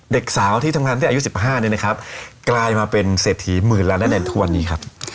เด็กสาวที่ทำงานที่อายุ๑๕เนี่ยนะครับกลายมาเป็นเศรษฐีหมื่นล้านและในทุกวันนี้ครับ